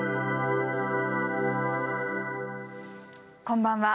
こんばんは。